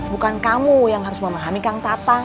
bukan kamu yang harus memahami kang tatang